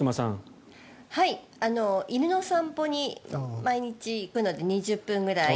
犬の散歩に毎日行くので２０分ぐらい。